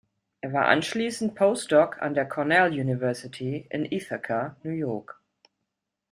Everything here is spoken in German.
Er war anschließend Postdoc an der Cornell University in Ithaca, New York.